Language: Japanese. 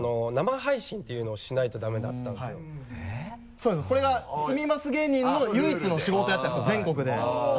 そうですこれが「住みます芸人」の唯一の仕事だったんですよ全国で。